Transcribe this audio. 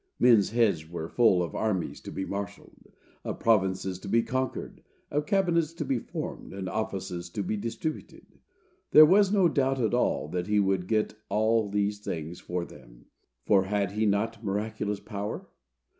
Men's heads were full of armies to be marshalled, of provinces to be conquered, of cabinets to be formed, and offices to be distributed. There was no doubt at all that he could get all these things for them, for had he not miraculous power?